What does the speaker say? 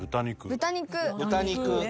豚肉。